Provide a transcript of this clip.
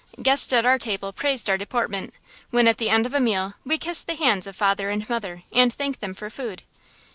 Guests at our table praised our deportment, when, at the end of a meal, we kissed the hands of father and mother and thanked them for food.